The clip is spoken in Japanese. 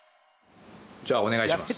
じゃあお願いします。